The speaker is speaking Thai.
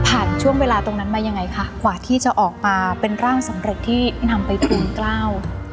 ช่วงเวลาตรงนั้นมายังไงคะกว่าที่จะออกมาเป็นร่างสำเร็จที่นำไปทูลกล้าว